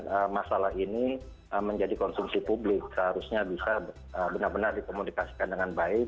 dan masalah ini menjadi konsumsi publik seharusnya bisa benar benar dikomunikasikan dengan baik